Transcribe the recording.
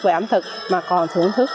về ẩm thực mà còn thưởng thức